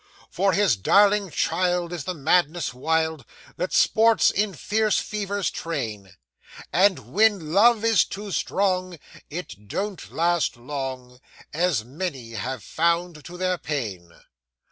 For his darling child is the madness wild That sports in fierce fever's train; And when love is too strong, it don't last long, As many have found to their pain.